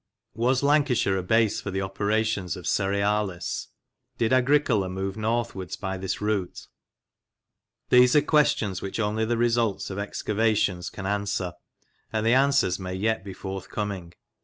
Was Lancashire a base for the operations of Cerealis? Did Agricola move northwards by this route? These are questions which only the results of excavations can answer, and the answers may yet be forthcoming.